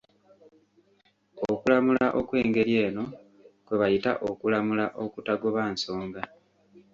Okulamula okw'engeri eno kwe bayita okulamula okutagoba nsonga.